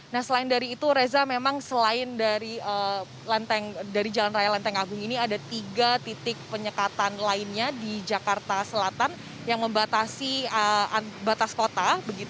nah selain dari itu reza memang selain dari jalan raya lenteng agung ini ada tiga titik penyekatan lainnya di jakarta selatan yang membatasi batas kota